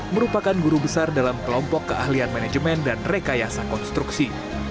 merupakan guru besar dalam kelompok keahlian manajemen dan rekayasa konstruksi